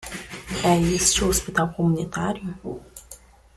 É este o Hospital Comunitário?